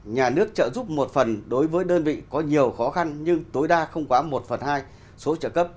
nhà nước trợ giúp một phần đối với đơn vị có nhiều khó khăn nhưng tối đa không quá một phần hai số trợ cấp